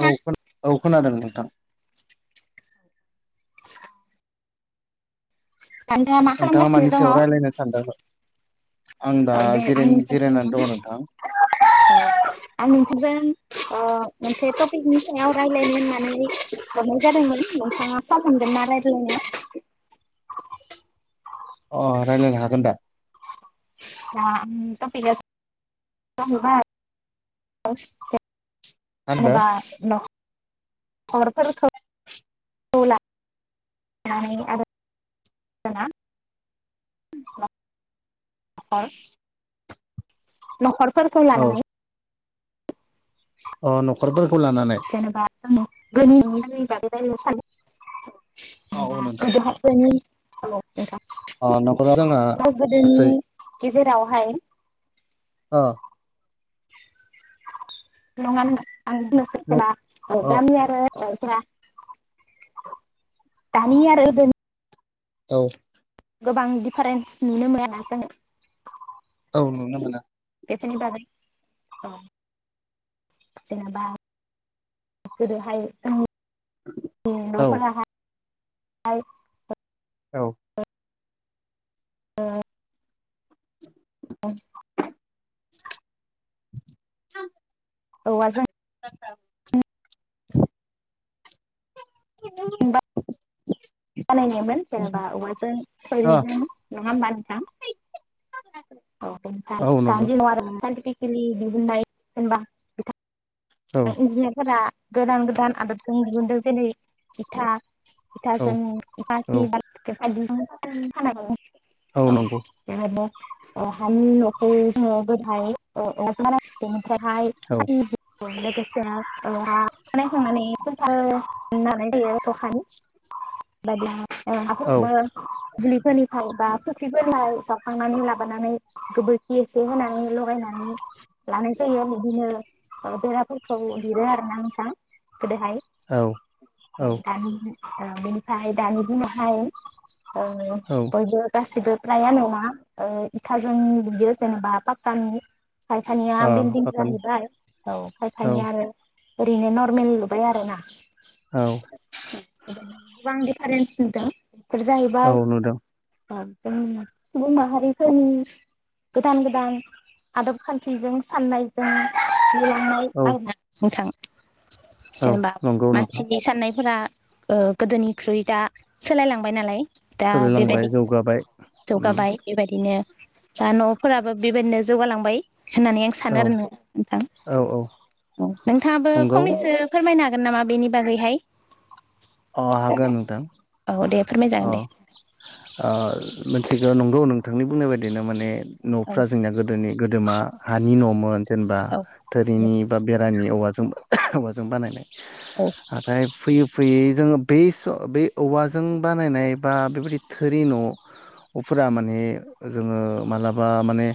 औ खो औ खोनादों नोंथां नोंथाङा मा मानि खालामगासिनो सायाव दङ? रायज्लायनो सानदोंमोन आं दा औ दे आं जिराय नोंथां जिरायनानै आं दङ नोंथां ओ आं नोंथांजों ओ मोनसे टपिकनि नि सायाव रायज्लायनो होननानै हरनाय जादोंमोन नोंथाङा सम मोनगोन ना रायज्लायनो अ रायज्लायनो हागोन दा [unintelligible] होनदो जेनबा न हरफोरखौ लानानै आरो मोना [unintelligible] नखर फोरखौ औ लानानै अ न'खरफोरखौ लानानै जेन'बा [unintelligible] [unintelligible] [unintelligible] औ औ नोंथां हेलौ। अ न'खराव जोंहा गोदोनि गासै गेजेरावहाय अ नङा नो आंदि न नोंसोरखोना अ गामि आरो दानि आरो गोदोनि औ। गोबां दिडिफारेन्स नुनो मोना जोङो बुंनोनो मोना। बेनि बागै ओ जेनेबा गोदोहाय जों औ न'फोराहाय हाय औ। ओ ओम। [unintelligible] औ आ जों [inaudible] हमदां बानायनायमोन जेनेबा औवाजों अ थोरिदों नङा होमबा नोंथां? औ नंगौ [unintelligible] [unintelligible] औ इन्जिनियारफोरा गोदान गोदान आदबजों दिहुनदों जेरै इथा औ इथाजों औ [unintelligible] [unintelligible] औ बेहायनो हानि नखौ औ। [unintelligible] मानास दोङो। बेहाय औ फाटनि लोगोसे [unintelligible] [unintelligible] ओ हाफोरखौबो औ [unintelligible] फोरनिफ्राय बा फुख्रिफोरफ्राय सावखांनानै लाबानानै गोबोरखि एसे होनानै लगायनानै लानाय जायो बिदिनो ओ बेराफोरखौ लिरो आरोना नोंथां। गोदोहाय औ औ ओं दानि ओं बेनिफ्राय दानि बिनोहाय अ औ बयबो गासिबो फ्राया नङा ओ इथाजोंनि लुयो जेनेबा पाक्कानि खायफानिया अ बिल्डिं बागानि जाहैबाय औ औ खायफानिया आरो ओरैनो नर्मेल लुबाय आरोना। औ वांडि दिफारेन्स नुदों बेफोर औ जाहैबाय नुदों ओं जोंनि सुबुं माहारिफोरनि गोदान गोदान आदब खान्थिजों साननायजों [unintelligible] थांनाय औ आरोना नोंथां। औ जेनेबा नंगौ नोंथां मानसिनि साननायफोरा ओ गोदोनिख्रुइ दा सोलायलांबाय नालाय। दा सोलिलांबाय बेबायदिनो जौगाबाय उम जौगाबाय बेबायदिनो दा न'फोराबो बेबायदिनो जौगालांबाय। होननानै आं सानो औ आरो नों नोंथां औ औ नोंथाङाबो नंगौ फंनैसो फोरमायनो हागोन नामा बेनि बागैहाय? अ हागोन नोंथां। औ दे अ फोरमायजागोन ओ दे मिथिगौ नंगौ नोंथांनि बुंनाय बायदिनो माने औ न'फ्रा जोंनाया गोदोनि गोदोमा हानि न' मोन जेनेबा औ थोरिनि बा बे रानि औवाजों औवाजों बानायनाय। औ [unintelligible] फैयै फैयै जोङो बेस' बे औवाजों बानायनाय बा बेबायदि थोरि न'फोरा माने जोङो मालाबा माने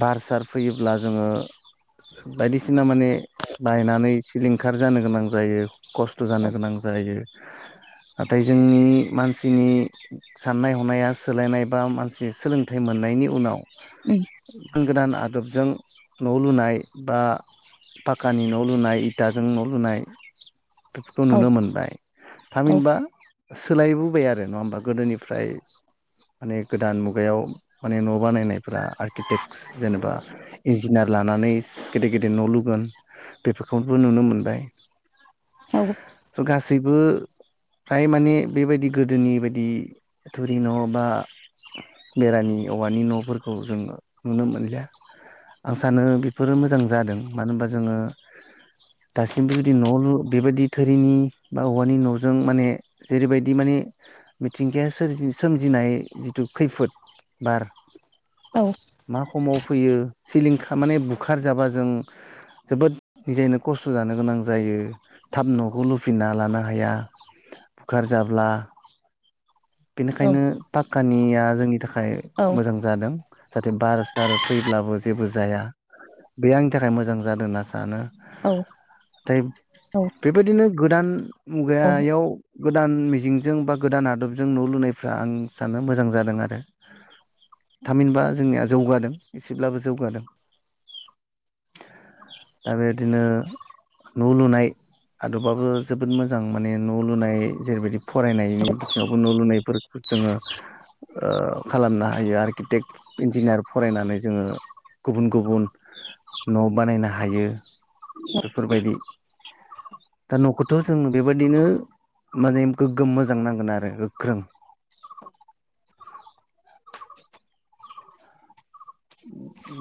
बार सार फैयोब्ला जोङो बायदिसिना माने बायनानै सिलिंखार जानो गोनां जायो। खस्थ' औ जानो गोनां जायो। नाथाय जोंनि मानसिनि साननाय हनाया सोलायनाय बा मानसि सोलोंथाइ मोननायनि उनाव उम्म। गोदान आदबजों न' लुनाय बा पाखानि न' लुनाय इथाजों न' लुनाय बेफोरखौ औ नुनो मोनबाय थामहिनबा [unintelligible] सोलायबोबाय आरो नङा होमबा गोदोनिफ्राय माने गोदान मुगायाव माने न' बानायनायफ्रा आर्किटेक्ट जेनेबा इन्जिनियार लानानै गेदेर गेदेर न' लुगोन बेफोरखौबो नुनो मोनबाय। औ। थ' गासैबो फ्राय माने बेबायदि गोदोनि बायदि थुरि न' बा बेरानि औवानि न'फोरखौ जों नुनो मोनलिया आं सानो बेफोरो मोजां जादों मानो होनबा जोङो दासिमबो जुदि न' लु बेबायदि थुरिनि बा औवानि न'जों माने जेरैबायदि माने मिथिंगाया सोरजि सोमजिनाय जिथु खैफोद बार औ मा खमाव फैयो। सिलिंखार माने बुखार जाबा जों जोबोद निजायनो खस्थ' जानो गोनां जायो थाब न'खौ लुफिना लानो हाया। बुखार जाब्ला बेनिखायनो पाक्कानिया जोंनि थाख खाय मोजां जादों। जाहाथे बार सार फैब्लाबो जेबो जाया बे आंनि थाखाय मोजां जादों होनना सानो। औ थाय औ बेबायदिनो। गोदान। औ मुगायाव। गोदान मिजिंजों बा गोदान आदबजों न' लुनायफ्रा आं सानो मोजां जादों आरो थामहिनबा जोंनिया जौगादों एसेब्लाबो जौगादों दा बेबायदिनो न' लुनाय आदबाबो जोबोद मोजां माने न' लुनाय। जेरैबायदि फरायनायनि बिथिङावबो न' लुनायफोर जोङो ओ खालामनो ओ हायो आरो टेक्ट इन्जिनियार फरायनानै जोङो गुबुन गुबुन न' बानायनो हायो। बेफोरबायदि। दा न'खौथ' जों बेबायदिनो। माने गोग्गोम मोजां नांगोन आरो गोख्रों।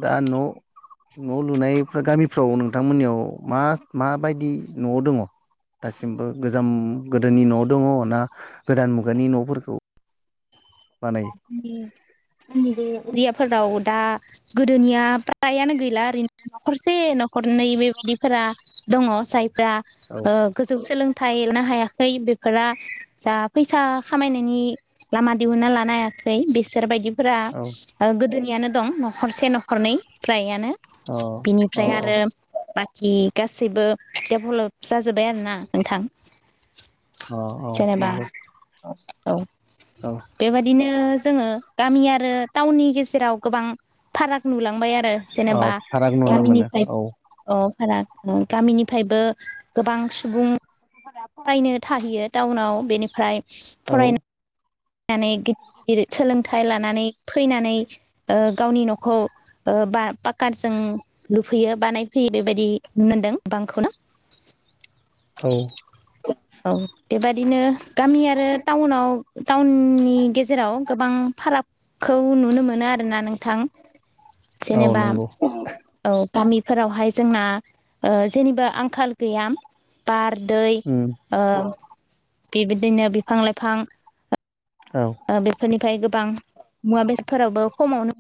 दा न'-न' लुनाय गामिफ्राव नोंथांमोननियाव मा माबायदि न' दङ दासिमबो गोजाम गोदोनि न' दङ ना गोदान मुगानि न'फोरखौ। बानायो जोंनि बे उरियाफोराव दा। गोदोनिया फ्रायानो गैला ओरैनो न'खरसे न'खरनै बेबायदिफोरा दङ जाय फोरा औ ओ गोजौ सोलों थाय लानो हायाखै बेफोर जा फैसा खामायनायनि लामा दिहुना लानो नायाखै बिसोरबायदि फोरा औ ओ गोदोनि। यानो दं न'खरसे न'खरनै फ्राइआनो। औ औ बिनिफ्राय आरो बां सिन गासैबो डेभेलप जाजोब्बाय आरो ना नोंथां। औ-औ जेनेबा नंगौ औ। बिदिनो जोङो गामि आरो टाउननि गेजेराव गोबां फाराग नुलांबाय आरो। [unintelligible] औ जेनेबा फाराग नुनो मोनो गामिनिफ्राय औ औ सारा। ओम गामिनिफ्रायबो गोबां सुबुंफोरा फरायनो थाहैयो टाउनाव बेनिफ्राय। औ। [unintelligible] गिदिर-गिदिर सोलोंथाइ लानानै फैनानै ओ गावनि न'खौ ओ बा पाकारजों लुफैयो बानायफैयो बेबायदि नुनोदों बांखौनो। औ। औ बेबादिनो गामि आरो टाउनाव। टाउननि गेजेराव गोबां फारागखौ नुनो मोनो आरोना नोंथां। औ जेनेबा नंगौ औ। गामिफोरावहाय जोंना ओ जेनिबो आंखाल गैया बार दै उम ओ। बेबायदिनो बिफां लाइफां। औ ओ बेफोरनिफ्राय गो गोबां मुवा बेसादफोरावबो खमावनो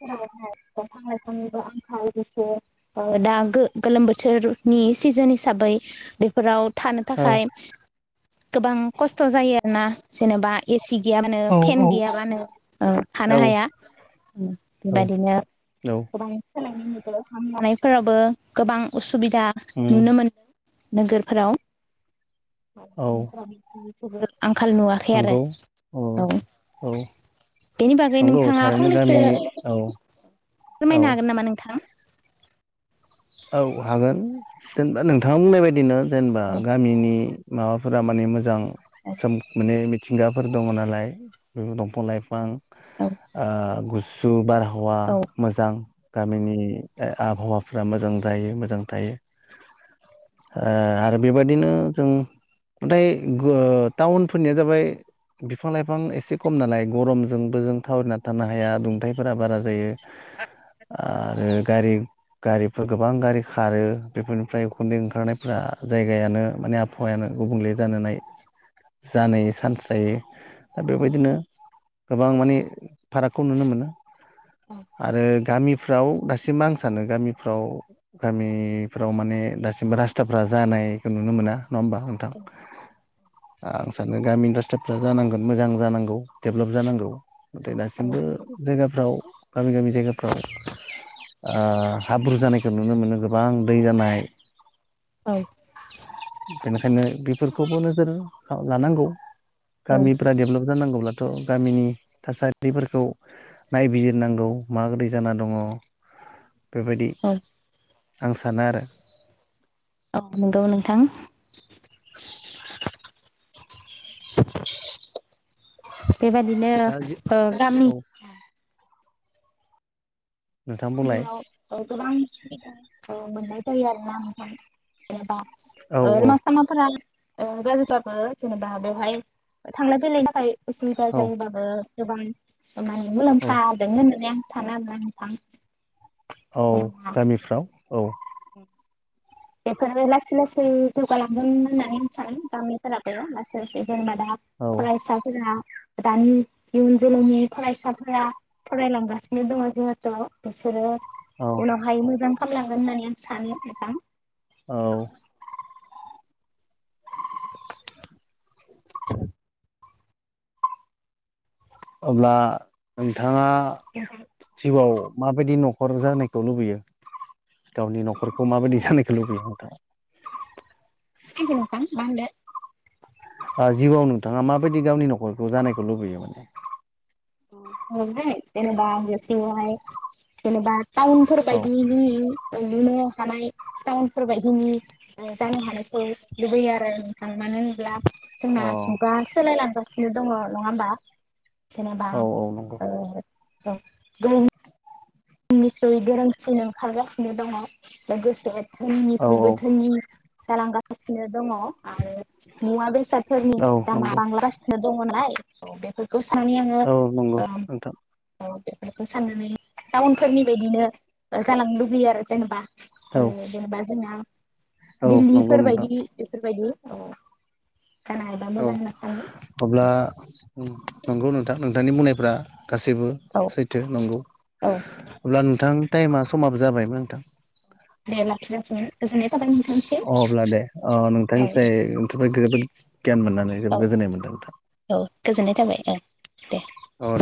[unintelligible] [unintelligible] [unintelligible] दा गो-गोलोम बोथोरनि सिजोन हिसाबै बेफोराव। थानो थाखाय गोबां खस्थ' जायो आरोना। जेनेबा एसि गैयाबानो औ फेन गैयाबानो औ थानो हाया बेबायदिनो औ गोबां सोलायनो नुदों लानायफोरावाबो गोबां [unintelligible] सुबिदा उम नुनो मो [unintelligible] नोगोरफोराव औ [unintelligible] [unintelligible] आंखाल नुवाखै आरो नंगौ औ औ बेनि बागै नंगौ नोंथाङा थारैनो फंनैसो गामिनि औ फोरमायनो हागोन नामा नोंथां। औ हागोन जेनेबा नोंथाङा बुंनाय बायदिनो। जेनेबा औ गामिनि माबाफोरा माने मोजां औ सो माने मिथिंगाफोर दङ नालाय बे दंफां लाइफां औ ओ [unintelligible] [unintelligible] आबहावा औ मोजां गामिनि आबहावाफ्रा मोजां जायो मोजां थायो ओ आरो बेबादिनो जों ओमफ्राय टाउनफोरनिया जाबाय बिफां लाइफां एसे खम नालाय गरमजोंबो जों थावरिना थानो हाया दुंथाइफोरा बारा जायो आरो गारि गारिफो गोबां गारि खारो बेफोरनिफ्राय उखुन्दै ओंखारनायफ्रा जायगायानो माने आबहावायानो गुबुंले जानानै जानायनि चान्स थायो। दा बेबायदिनो गोबां माने फारागखौ नुनो मोनो। आरो गामिफ्राव दासिम आं सानो गामि फ्राव गामिफ्राव माने दासिमबो रासथाफ्रा जानायखौ नुनो मोना। नङा होमबा नोंथां? आं सानो गामिनि रासथाफ्रा जानांगोन मोजां जानांगौ देभलप जानांगौ। नाथाय दासिमबो जायगा फ्राव गामि गामि जायगाफ्राव ओ हाब्रु जानायखौ नुनो मोनो गोबां दै जानाय औ बेनिखायनो बेफोरखौबो नोजोराव लानांगौ औ गामिफ्रा डेभलप जानांगौब्ला थ गामिनि थासारिफोरखौ नायबिजिरनांगौ माब्रै जाना दङ बेबायदि औ आं सानो आरो औ नंगौ नोंथां [inaudible] बेबादिनो दा जि ओ गामि औ नोंथां बुंलाय गामियाव ओ गोबां औ मोननाय जायो आरोना नोंथां एबा औ औ ऐ मसलमनफोरा ओ गाज्रिबाबो जेनेबा बेवहाय थांलाय फैलायनि थाखाय जुदा औ जायोबाबो गोबां [unintelligible] माय औ मुलाम्फादोंनो नुनाय आं सानाबा नोंथां औ जेनेबा गामिफ्राव औ बेफोरो लासै लासै जौगालांगोन होननानै सानो गामिफोराबो लासै जेनेबा दा औ फरायसाफोरा दानि इयुन जोलैनि फरायसाफोरा फरायलांगासिनो दङ जिहुत बिसोरो औ उनावहाय मोजां फामलांगोन होननानै आं सानै साथाम औ [unintelligible] [inaudible] अब्ला नोंथां नोंथाङा जिउआव माबायदि न'खर जानायखौ लुबैयो गावनि न'खरखौ माबायदि जानायखौ लुबैयो नोंथाङा आनदि नोंथां मा होनदो ओ जिउआव नोंथाङा माबायदि गावनि न'खरखौ जानायखौ लुबैयो माने अ ओमफ्राय नै जेनेबा जिउआव हाय जेनेबा आंफोर औ बायदिनि लुनो हानाय टाउनफोर बादिनि ओ जानो हानायखौ लुबैयो आरो नोंथां मानो होनोब्ला अ जोंना जुगा सोलायलांगासिनो दङ नङा होमबा जेनेबा औ औ नंगौ ओ औ गोरों निख्रै गोरोंसिन ओंखारगासिनो दङ। लोगोसे औ औ धोनिनिख्रैबो धोनि जालांगासिनो दङ आरो मुवा बेसादफोरनि औ दामा नंगौ बांलांगासिनो दङ नालाय औ बेफोर औ नंगौ नोंथां औ बेफोरखौ साननानै टाउनफोरनि बायदिनो जालांनो लुबैयो आरो जेनेबा औ जेनेबा जोंना औ नंगौ नोंथां दिल्लीफोरबायदि बेफोरबायदि औ जानो हायोबा औ मोजां होनना सानो अब्ला नंगौ नोंथां नोंथांनि बुंनायफ्रा गासैबो औ सैथो नंगौ औ अब्ला नोंथां टाइमा समाबो जाबायमोन नोंथां दे लाखिथ'नोसै [unintelligible] गोजोन्नाय अब्ला दे अ औ नोंथांनिफ्रा दे जोबोद गियान मोननानै जोबोद औ गोजोननाय मोनदों नोंथां औ गोजोननाय थाबाय औ दे औ